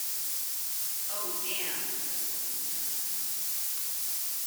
“Oh, damn,” said the young man.